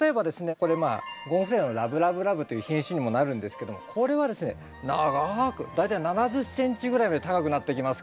これゴンフレナのラブラブラブという品種にもなるんですけどもこれはですね長く大体７０ｃｍぐらいまで高くなってきますから。